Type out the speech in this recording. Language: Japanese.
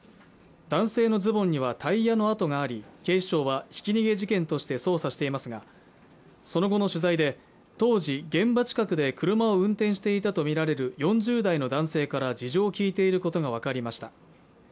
男性のズボンにはタイヤの跡があり警視庁はひき逃げ事件として捜査していますがその後の取材で当時、現場近くで車を運転していたと見られる４０代の男性から事情を聞いていることが分かりました